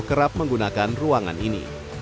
kerap menggunakan ruangan ini